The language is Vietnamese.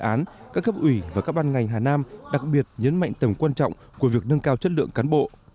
đề án các cấp ủy và các ban ngành hà nam đặc biệt nhấn mạnh tầm quan trọng của việc nâng cao chất lượng cán bộ